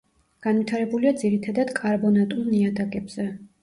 განვითარებულია ძირითადად კარბონატულ ნიადაგებზე.